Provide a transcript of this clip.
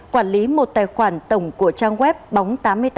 quản lý một tài khoản tổng của trang web bóng tám mươi tám